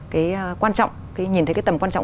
cái quan trọng nhìn thấy cái tầm quan trọng